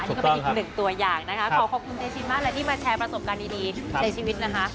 นี่ก็เป็นอีกหนึ่งตัวอย่างนะคะขอขอบคุณเตชินมากเลยที่มาแชร์ประสบการณ์ดีในชีวิตนะคะ